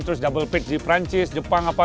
terus double pix di perancis jepang apa